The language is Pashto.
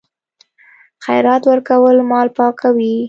خیرات ورکول مال پاکوي.